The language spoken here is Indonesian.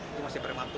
itu masih prematur